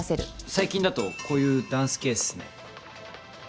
最近だとこういうダンス系っすね。